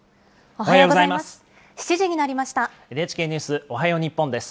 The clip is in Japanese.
おはようございます。